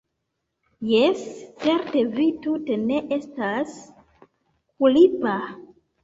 jes, certe, vi tute ne estas kulpa.